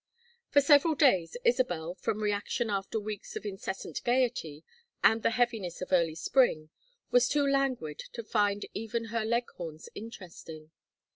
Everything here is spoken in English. For several days Isabel, from reaction after weeks of incessant gayety, and the heaviness of early spring, was too languid to find even her Leghorns interesting.